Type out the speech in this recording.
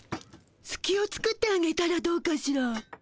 すきを作ってあげたらどうかしら。